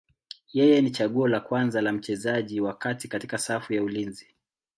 Yeye ni chaguo la kwanza la mchezaji wa kati katika safu ya ulinzi.